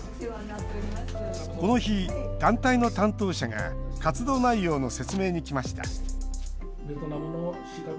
この日、団体の担当者が活動内容の説明に来ました。